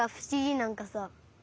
なんかさ。